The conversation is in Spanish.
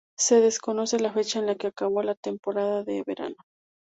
Se desconoce la fecha en la que acabó la temporada de verano.